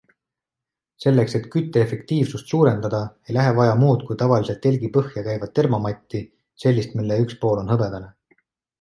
Selleks, et kütteefektiivsust suurendada, ei lähe vaja muud kui tavaliselt telgi põhja käivat termomatti - sellist, mille üks pool on hõbedane.